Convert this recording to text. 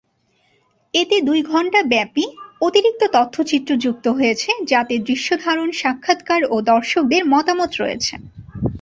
এতে দুই ঘণ্টা ব্যাপী অতিরিক্ত তথ্যচিত্র যুক্ত হয়েছে যাতে দৃশ্যধারণ, সাক্ষাৎকার ও দর্শকদের মতামত রয়েছে।